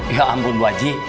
ya ampun gue aja